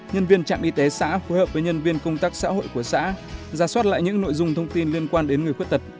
một nhân viên trạm y tế xã phối hợp với nhân viên công tác xã hội của xã ra soát lại những nội dung thông tin liên quan đến người khuyết tật